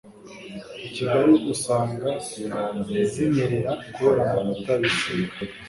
ikigali usanga zinyerera kubera amavuta bisiga